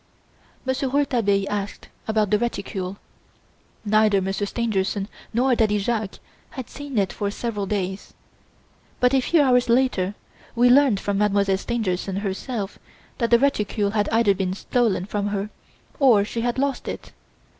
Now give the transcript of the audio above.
Monsieur Rouletabille asked about the reticule. Neither Monsieur Stangerson nor Daddy Jacques had seen it for several days, but a few hours later we learned from Mademoiselle Stangerson herself that the reticule had either been stolen from her, or she had lost it.